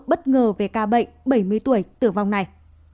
bất ngờ về ca bệnh bảy mươi tuổi tử vong này